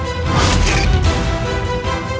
saya akan menjaga kebenaran raden